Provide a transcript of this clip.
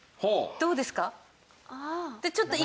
どうですか？